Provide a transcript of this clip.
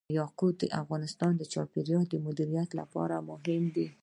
یاقوت د افغانستان د چاپیریال د مدیریت لپاره مهم دي.